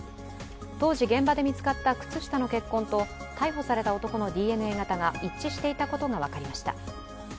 当時現場で見つかった靴下の血痕と逮捕された男のＤＮＡ型が一致していたことが分かりました。